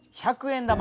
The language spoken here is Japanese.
１００円玉！